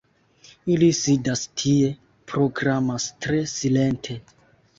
Ili sidas tie, programas tre silente